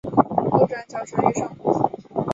后转小承御上士。